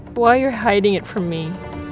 kenapa kamu menjauhkannya dari saya